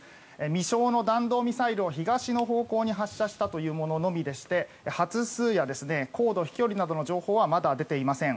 未詳の弾道ミサイルを東の方向に発射したというもののみでして発数や高度、飛距離などの情報はまだ出ていません。